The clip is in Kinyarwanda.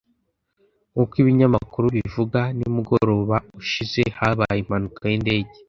Nk’uko ibinyamakuru bivuga, nimugoroba ushize habaye impanuka yindege.